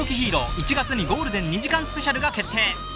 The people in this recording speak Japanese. １月にゴールデン２時間スペシャルが決定